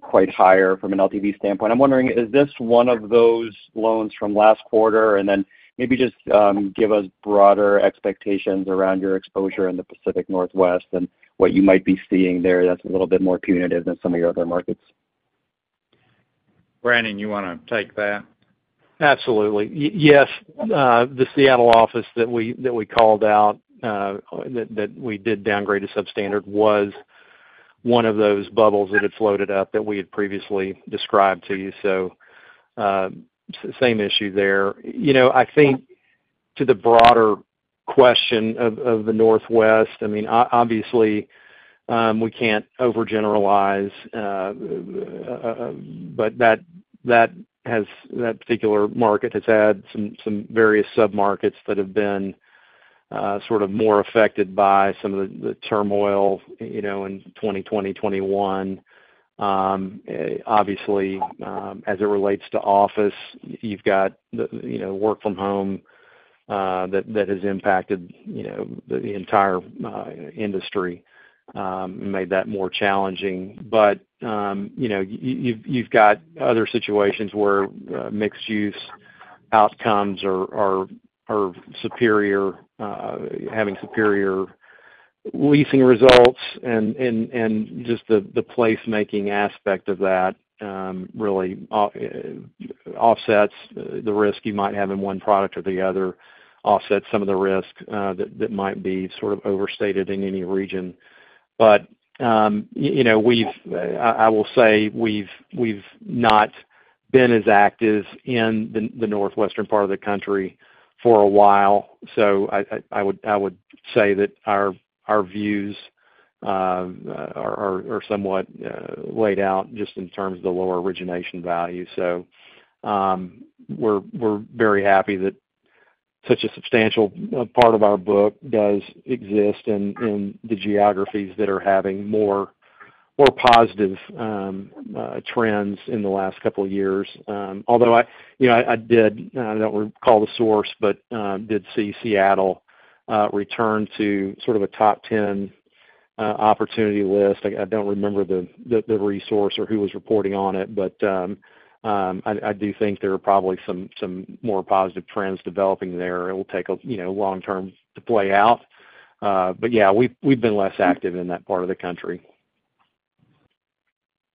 Speaker 11: quite higher from an LTV standpoint. I'm wondering, is this one of those loans from last quarter? And then maybe just give us broader expectations around your exposure in the Pacific Northwest and what you might be seeing there that's a little bit more punitive than some of your other markets.
Speaker 4: Brannon, you want to take that?
Speaker 5: Absolutely. Yes. The Seattle office that we called out that we did downgrade to substandard was one of those bubbles that had floated up that we had previously described to you. So same issue there. I think to the broader question of the Northwest, I mean, obviously, we can't overgeneralize, but that particular market has had some various submarkets that have been sort of more affected by some of the turmoil in 2020, 2021. Obviously, as it relates to office, you've got the work from home that has impacted the entire industry and made that more challenging. But you've got other situations where mixed-use outcomes are superior, having superior leasing results, and just the placemaking aspect of that really offsets the risk you might have in one product or the other, offsets some of the risk that might be sort of overstated in any region. But I will say we've not been as active in the northwestern part of the country for a while. So I would say that our views are somewhat laid out just in terms of the lower origination value. So we're very happy that such a substantial part of our book does exist in the geographies that are having more positive trends in the last couple of years. Although I did, I don't recall the source, but did see Seattle return to sort of a top 10 opportunity list. I don't remember the source or who was reporting on it, but I do think there are probably some more positive trends developing there. It will take a long time to play out. But yeah, we've been less active in that part of the country.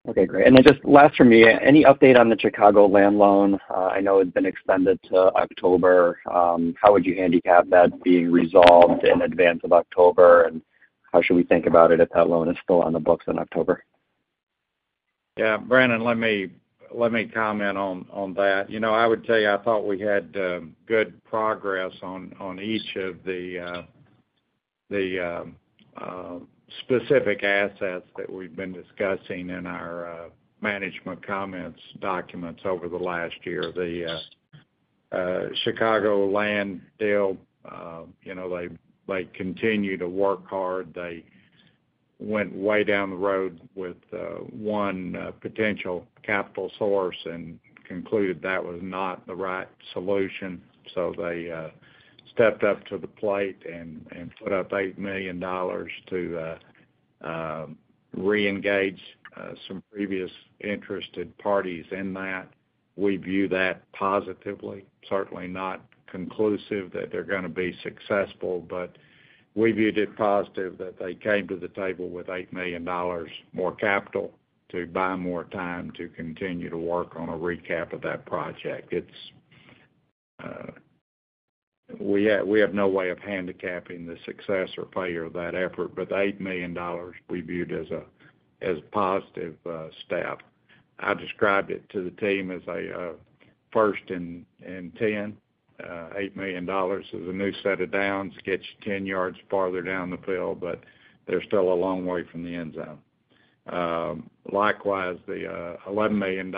Speaker 11: Okay. Great. And then just last from me, any update on the Chicagoland loan? I know it's been extended to October. How would you handicap that being resolved in advance of October, and how should we think about it if that loan is still on the books in October?
Speaker 4: Yeah. Brannon, let me comment on that. I would tell you I thought we had good progress on each of the specific assets that we've been discussing in our management comments documents over the last year. The Chicagoland deal, they continue to work hard. They went way down the road with one potential capital source and concluded that was not the right solution. So they stepped up to the plate and put up $8 million to re-engage some previous interested parties in that. We view that positively, certainly not conclusive that they're going to be successful, but we viewed it positive that they came to the table with $8 million more capital to buy more time to continue to work on a recap of that project. We have no way of handicapping the success or failure of that effort, but the $8 million, we viewed as a positive step. I described it to the team as a first and 10. $8 million is a new set of downs gets you 10 yards farther down the field, but they're still a long way from the end zone. Likewise, the $11 million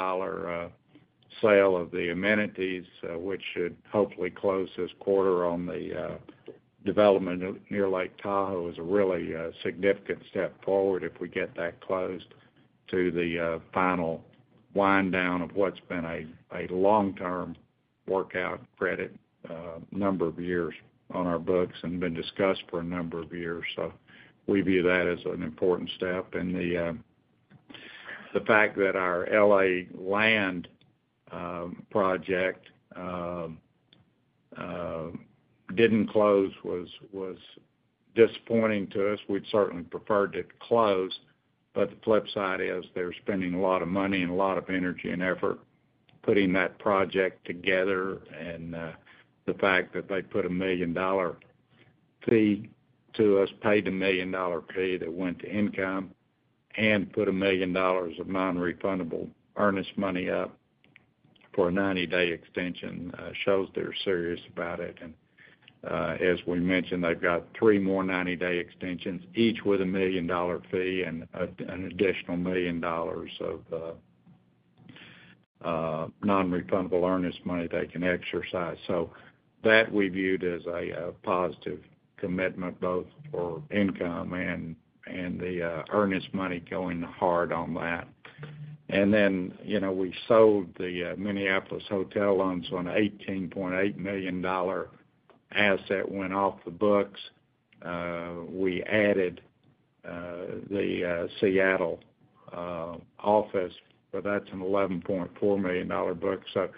Speaker 4: sale of the amenities, which should hopefully close this quarter on the development near Lake Tahoe, is a really significant step forward if we get that closed to the final wind-down of what's been a long-term workout credit number of years on our books and been discussed for a number of years. So we view that as an important step. And the fact that our L.A. land project didn't close was disappointing to us. We'd certainly preferred it closed, but the flip side is they're spending a lot of money and a lot of energy and effort putting that project together. And the fact that they put a $1 million fee to us, paid a $1 million fee that went to income, and put $1 million of non-refundable earnest money up for a 90-day extension shows they're serious about it. And as we mentioned, they've got three more 90-day extensions, each with a $1 million fee and an additional $1 million of non-refundable earnest money they can exercise. So that we viewed as a positive commitment both for income and the earnest money going hard on that. And then we sold the Minneapolis hotel loans when a $18.8 million asset went off the books. We added the Seattle office, but that's an $11.4 million book. So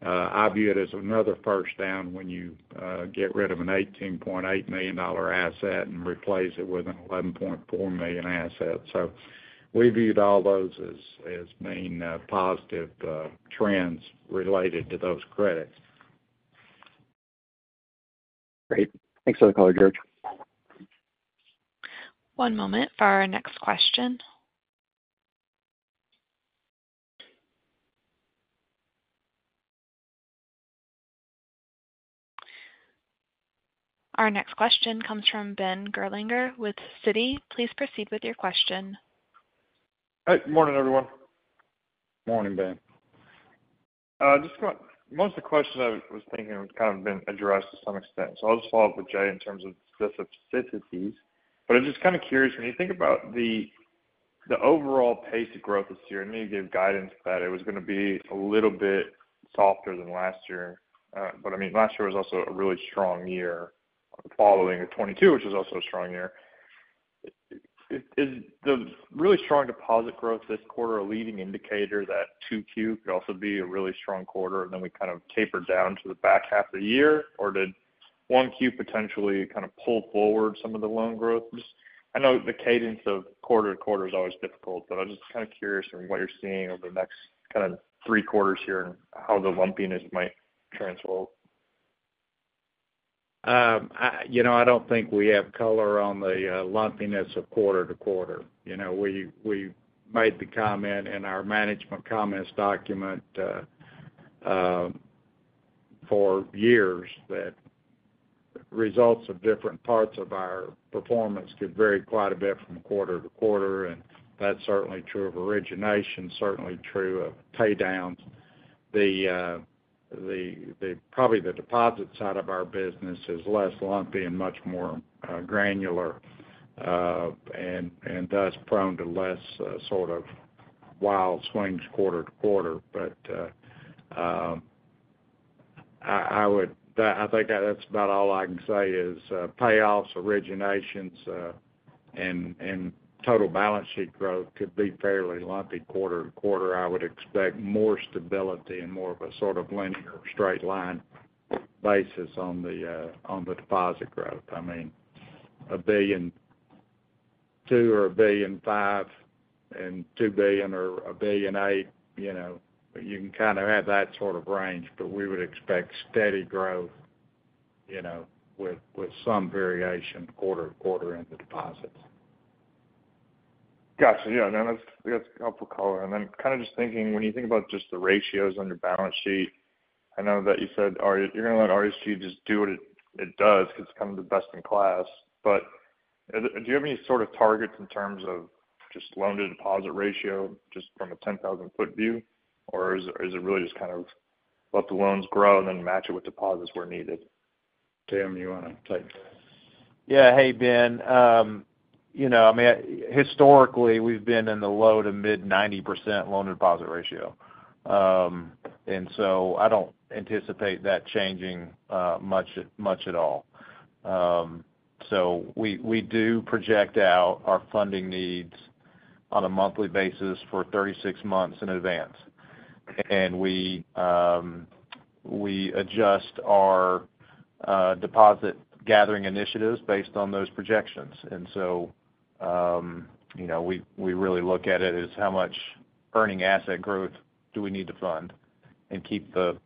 Speaker 4: I view it as another first down when you get rid of a $18.8 million asset and replace it with an $11.4 million asset. So we viewed all those as being positive trends related to those credits.
Speaker 11: Great. Thanks for the color, George.
Speaker 1: One moment for our next question. Our next question comes from Ben Gerlinger with Citi. Please proceed with your question.
Speaker 13: Hey. Good morning, everyone.
Speaker 4: Morning, Ben.
Speaker 13: Just most of the question I was thinking was kind of been addressed to some extent. So I'll just follow up with Jay in terms of specificities. But I'm just kind of curious, when you think about the overall pace of growth this year, I know you gave guidance that it was going to be a little bit softer than last year. But I mean, last year was also a really strong year following 2022, which was also a strong year. Is the really strong deposit growth this quarter a leading indicator that 2Q could also be a really strong quarter, and then we kind of taper down to the back half of the year? Or did 1Q potentially kind of pull forward some of the loan growth? I know the cadence of quarter-to-quarter is always difficult, but I'm just kind of curious from what you're seeing over the next kind of three quarters here and how the lumpiness might translate.
Speaker 4: I don't think we have color on the lumpiness quarter-to-quarter. We made the comment in our management comments document for years that results of different parts of our performance could vary quite a bit from quarter-to-quarter. And that's certainly true of origination, certainly true of paydowns. Probably the deposit side of our business is less lumpy and much more granular and thus prone to less sort of wild swings quarter-to-quarter. But I think that's about all I can say is payoffs, originations, and total balance sheet growth could be fairly lumpy quarter-to-quarter. I would expect more stability and more of a sort of linear straight line basis on the deposit growth. I mean, $1.2 billion or $1.5 billion and $2 billion or $1.8 billion, you can kind of have that sort of range, but we would expect steady growth with some variation quarter-to-quarter in the deposits.
Speaker 13: Gotcha. Yeah. No, that's helpful color. And then kind of just thinking, when you think about just the ratios on your balance sheet, I know that you said you're going to let RESG just do what it does because it's kind of the best in class. But do you have any sort of targets in terms of just loan-to-deposit ratio just from a 10,000-foot view, or is it really just kind of let the loans grow and then match it with deposits where needed?
Speaker 4: Tim, you want to take that?
Speaker 9: Yeah. Hey, Ben. I mean, historically, we've been in the low to mid-90% loan-to-deposit ratio. And so I don't anticipate that changing much at all. So we do project out our funding needs on a monthly basis for 36 months in advance. And we adjust our deposit gathering initiatives based on those projections. And so we really look at it as how much earning asset growth do we need to fund and keep the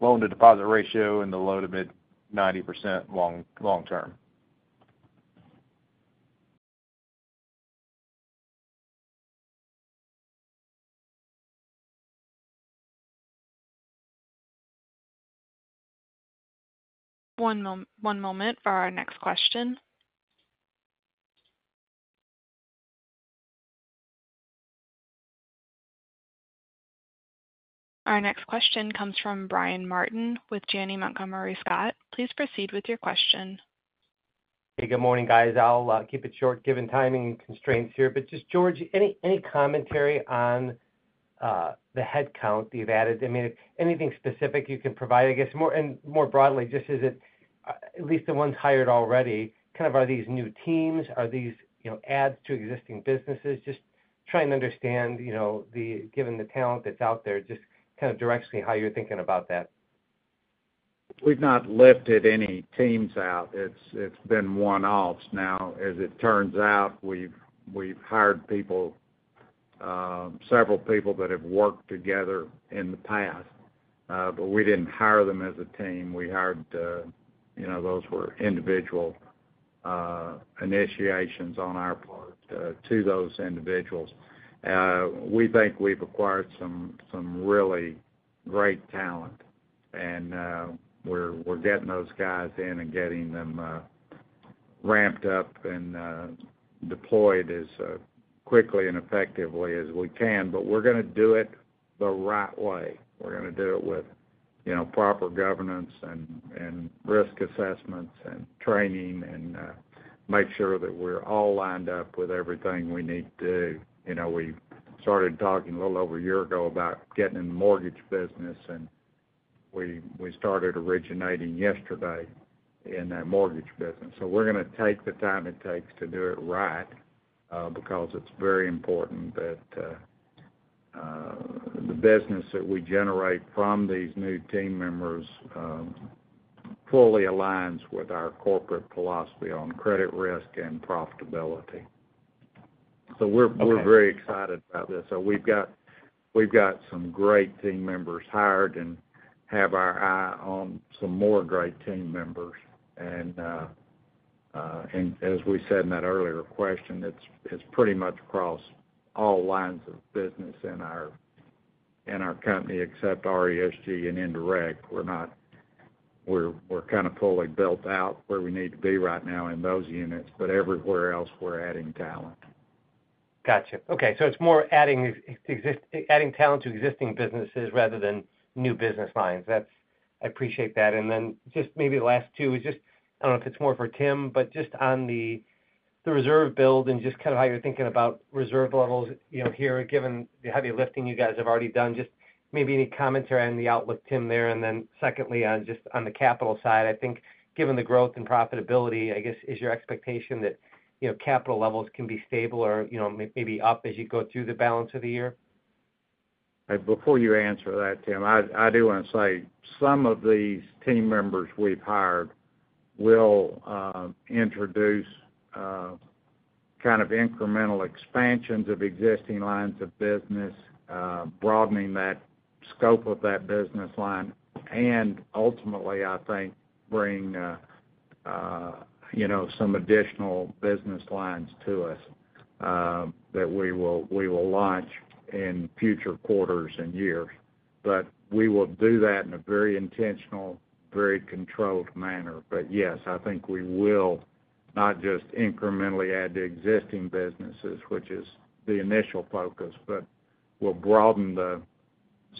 Speaker 9: loan-to-deposit ratio and the low to mid-90% long term.
Speaker 1: One moment for our next question. Our next question comes from Brian Martin with Janney Montgomery Scott. Please proceed with your question.
Speaker 14: Hey, good morning, guys. I'll keep it short given timing constraints here. But just, George, any commentary on the headcount that you've added? I mean, if anything specific you can provide, I guess. And more broadly, just at least the ones hired already, kind of are these new teams? Are these adds to existing businesses? Just trying to understand, given the talent that's out there, just kind of directionally how you're thinking about that.
Speaker 4: We've not lifted any teams out. It's been one-offs now. As it turns out, we've hired several people that have worked together in the past, but we didn't hire them as a team. Those were individual initiations on our part to those individuals. We think we've acquired some really great talent, and we're getting those guys in and getting them ramped up and deployed as quickly and effectively as we can. But we're going to do it the right way. We're going to do it with proper governance and risk assessments and training and make sure that we're all lined up with everything we need to do. We started talking a little over a year ago about getting in the mortgage business, and we started originating yesterday in that mortgage business. So we're going to take the time it takes to do it right because it's very important that the business that we generate from these new team members fully aligns with our corporate philosophy on credit risk and profitability. So we're very excited about this. So we've got some great team members hired and have our eye on some more great team members. And as we said in that earlier question, it's pretty much across all lines of business in our company except RESG and indirect. We're kind of fully built out where we need to be right now in those units, but everywhere else, we're adding talent.
Speaker 14: Gotcha. Okay. So it's more adding talent to existing businesses rather than new business lines. I appreciate that. And then just maybe the last two is just I don't know if it's more for Tim, but just on the reserve build and just kind of how you're thinking about reserve levels here, given the heavy lifting you guys have already done, just maybe any commentary on the outlook, Tim, there. And then secondly, just on the capital side, I think given the growth and profitability, I guess, is your expectation that capital levels can be stable or maybe up as you go through the balance of the year?
Speaker 4: Before you answer that, Tim, I do want to say some of these team members we've hired will introduce kind of incremental expansions of existing lines of business, broadening that scope of that business line, and ultimately, I think, bring some additional business lines to us that we will launch in future quarters and years. But we will do that in a very intentional, very controlled manner. But yes, I think we will not just incrementally add the existing businesses, which is the initial focus, but we'll broaden the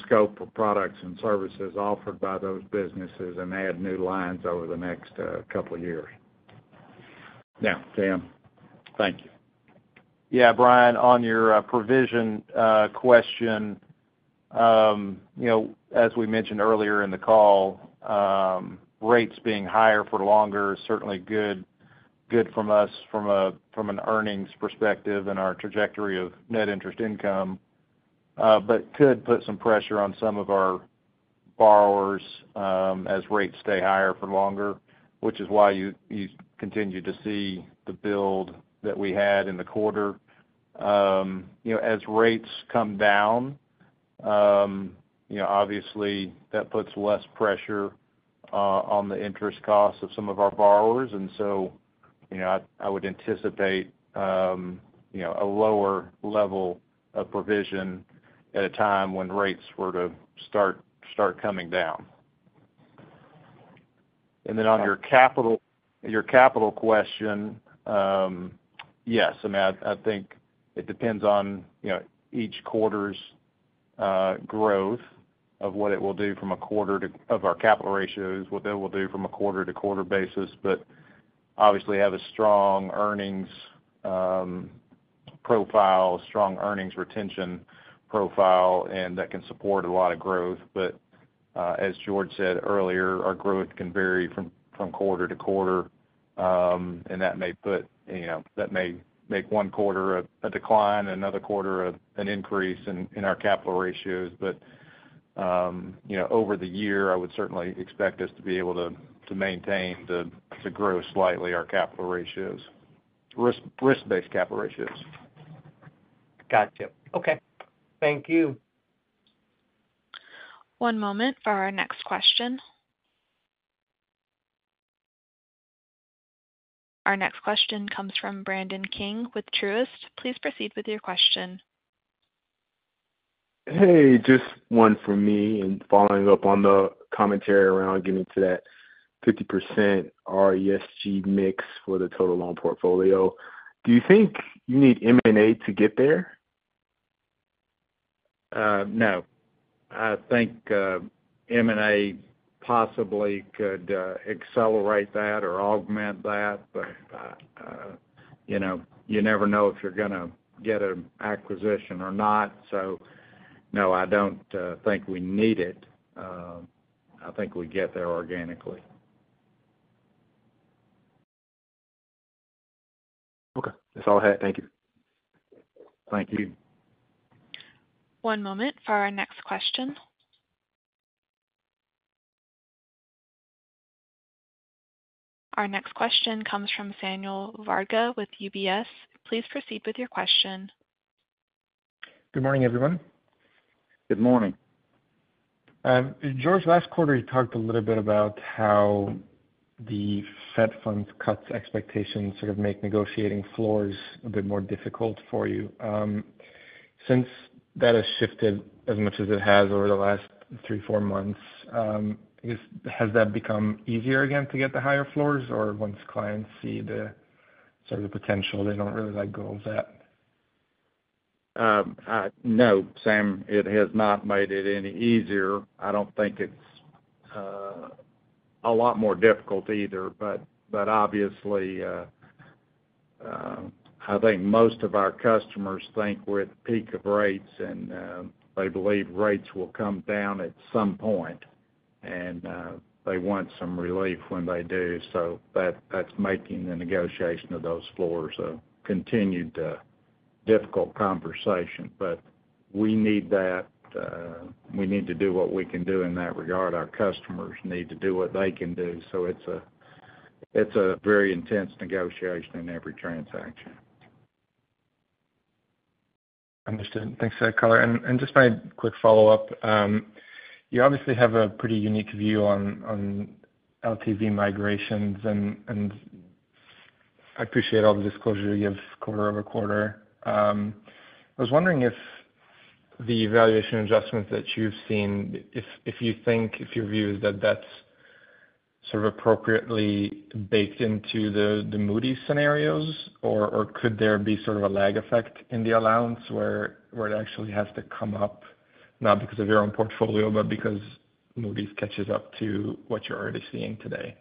Speaker 4: scope of products and services offered by those businesses and add new lines over the next couple of years. Now, Tim, thank you.
Speaker 9: Yeah, Brian, on your provision question, as we mentioned earlier in the call, rates being higher for longer is certainly good from us from an earnings perspective and our trajectory of net interest income but could put some pressure on some of our borrowers as rates stay higher for longer, which is why you continue to see the build that we had in the quarter. As rates come down, obviously, that puts less pressure on the interest costs of some of our borrowers. And so I would anticipate a lower level of provision at a time when rates were to start coming down. And then on your capital question, yes. I mean, I think it depends on each quarter's growth of what it will do from a quarter of our capital ratios, what it will do from a quarter-to-quarter basis. But obviously, have a strong earnings profile, a strong earnings retention profile, and that can support a lot of growth. But as George said earlier, our growth can vary from quarter-to-quarter, and that may make one quarter a decline and another quarter an increase in our capital ratios. But over the year, I would certainly expect us to be able to maintain to grow slightly our capital ratios, risk-based capital ratios.
Speaker 14: Gotcha. Okay. Thank you.
Speaker 1: One moment for our next question. Our next question comes from Brandon King with Truist. Please proceed with your question.
Speaker 15: Hey, just one from me and following up on the commentary around getting to that 50% RESG mix for the total loan portfolio. Do you think you need M&A to get there?
Speaker 4: No. I think M&A possibly could accelerate that or augment that, but you never know if you're going to get an acquisition or not. So no, I don't think we need it. I think we get there organically.
Speaker 15: Okay. That's all I had. Thank you.
Speaker 4: Thank you.
Speaker 1: One moment for our next question. Our next question comes from Samuel Varga with UBS. Please proceed with your question.
Speaker 16: Good morning, everyone.
Speaker 4: Good morning.
Speaker 16: George, last quarter, you talked a little bit about how the Fed funds cuts expectations sort of make negotiating floors a bit more difficult for you. Since that has shifted as much as it has over the last 3-4 months, I guess, has that become easier again to get the higher floors, or once clients see sort of the potential, they don't really let go of that?
Speaker 4: No, Sam, it has not made it any easier. I don't think it's a lot more difficult either. But obviously, I think most of our customers think with peak of rates, and they believe rates will come down at some point, and they want some relief when they do. So that's making the negotiation of those floors a continued difficult conversation. But we need that. We need to do what we can do in that regard. Our customers need to do what they can do. So it's a very intense negotiation in every transaction.
Speaker 16: Understood. Thanks for that color. Just my quick follow-up, you obviously have a pretty unique view on LTV migrations, and I appreciate all the disclosure you give quarter-over-quarter. I was wondering if the valuation adjustments that you've seen, if your view is that that's sort of appropriately baked into the Moody's scenarios, or could there be sort of a lag effect in the allowance where it actually has to come up not because of your own portfolio, but because Moody's catches up to what you're already seeing today?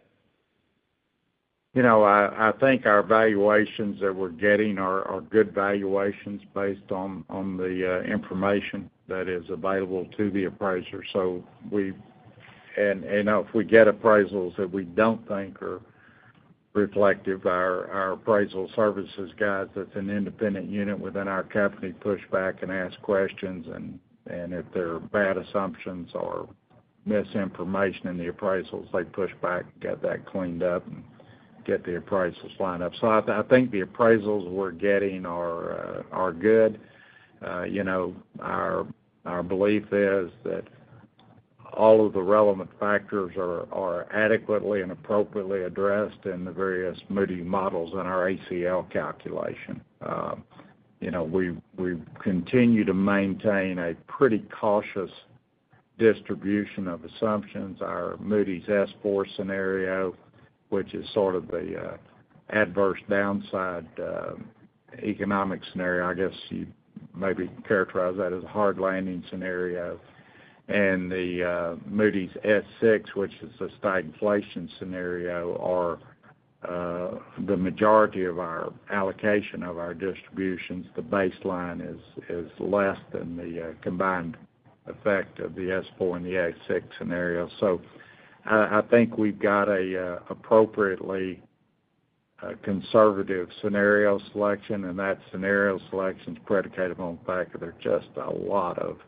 Speaker 4: I think our valuations that we're getting are good valuations based on the information that is available to the appraiser. And if we get appraisals that we don't think are reflective of our appraisal services guys, that's an independent unit within our company push back and ask questions. And if there are bad assumptions or misinformation in the appraisals, they push back, get that cleaned up, and get the appraisals lined up. So I think the appraisals we're getting are good. Our belief is that all of the relevant factors are adequately and appropriately addressed in the various Moody's models and our ACL calculation. We continue to maintain a pretty cautious distribution of assumptions. Our Moody's S4 scenario, which is sort of the adverse downside economic scenario, I guess you maybe characterize that as a hard landing scenario. The Moody's S6, which is the stagflation scenario, are the majority of our allocation of our distributions. The baseline is less than the combined effect of the S4 and the S6 scenario. So I think we've got an appropriately conservative scenario selection, and that scenario selection is predicated on the fact that there's just a lot of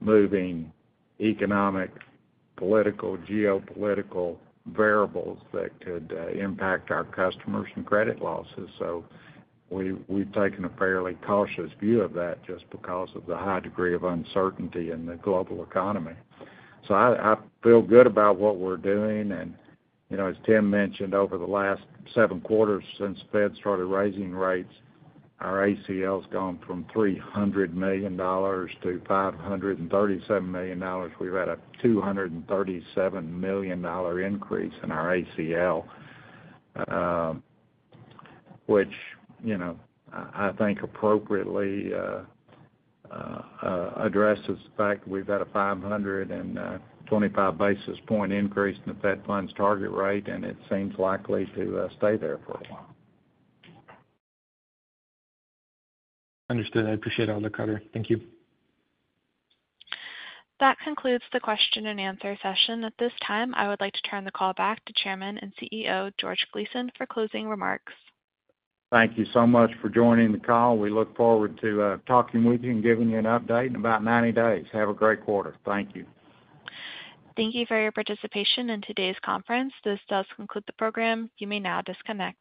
Speaker 4: moving economic, political, geopolitical variables that could impact our customers and credit losses. So we've taken a fairly cautious view of that just because of the high degree of uncertainty in the global economy. So I feel good about what we're doing. And as Tim mentioned, over the last seven quarters since the Fed started raising rates, our ACL has gone from $300 million to $537 million. We've had a $237 million increase in our ACL, which I think appropriately addresses the fact that we've had a 525 basis point increase in the Fed funds target rate, and it seems likely to stay there for a while.
Speaker 16: Understood. I appreciate all that, color. Thank you.
Speaker 1: That concludes the question-and-answer session. At this time, I would like to turn the call back to Chairman and CEO George Gleason for closing remarks.
Speaker 4: Thank you so much for joining the call. We look forward to talking with you and giving you an update in about 90 days. Have a great quarter. Thank you.
Speaker 1: Thank you for your participation in today's conference. This does conclude the program. You may now disconnect.